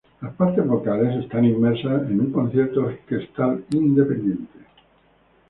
Las partes vocales están inmersas en un concierto orquestal independiente.